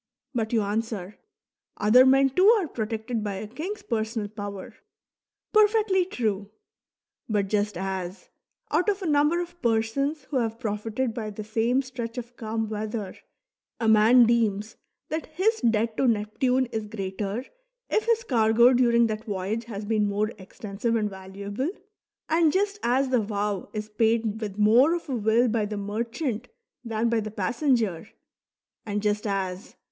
But you answer :" Other men too are protected by a king's personal power." Perfectly true. But just as, out of a number of persons who have profited by the same stretch of calm weather, a man deems that his debt to Neptune is greater if his cargo during that voyage has been more extensive and valuable, and just as the vow is paid with more of a will by the merchant than by the passenger, and just as.